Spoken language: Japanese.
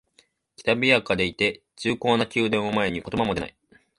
きらびやかでいて重厚な宮殿を前に言葉も出ない